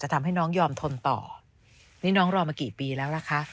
ทำให้น้องยอมทนต่อนี่น้องรอมากี่ปีแล้วล่ะคะ